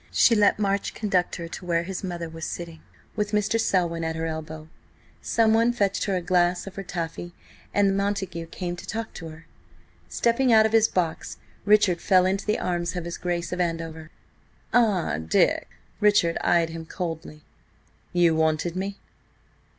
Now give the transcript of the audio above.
She let March conduct her to where his mother was sitting, with Mr. Selwyn at her elbow. Someone fetched her a glass of ratafie, and Montagu came to talk to her. Stepping out of his box, Richard fell into the arms of his Grace of Andover. "Ah! Dick!" Richard eyed him coldly. "You wanted me?"